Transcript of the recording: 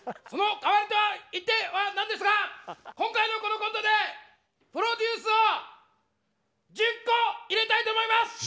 その代わりとは言ってはなんですが今回のこのコントでプロデュースを１０個入れたいと思います。